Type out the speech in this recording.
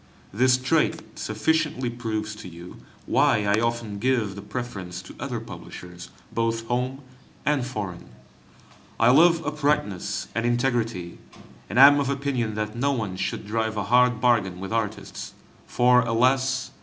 This trait sufficiently proves to you why I often give the preference to other publishers both home and foreign. I love uprightness and integrity, and am of opinion that no one should drive a hard bargain with artists, for, alas!